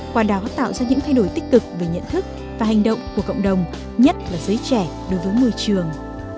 qua đó tạo ra những thay đổi tích cực về nhận thức và hành động của cộng đồng nhất là giới trẻ đối với môi trường